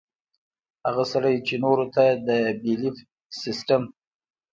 هغه سړے چې نورو ته د بيليف سسټم